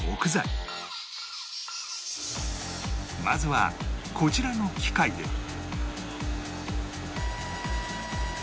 まずはこちらの機械で